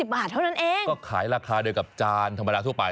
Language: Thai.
บาทเท่านั้นเองก็ขายราคาเดียวกับจานธรรมดาทั่วไป